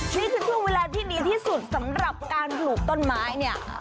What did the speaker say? นี่คือช่วงเวลาที่ดีที่สุดสำหรับการปลูกต้นไม้เนี่ย